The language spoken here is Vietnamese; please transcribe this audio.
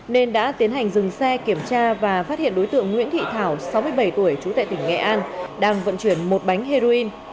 nên đã tiến hành dừng xe kiểm tra và phát hiện đối tượng nguyễn thị thảo sáu mươi bảy tuổi trú tại tỉnh nghệ an đang vận chuyển một bánh heroin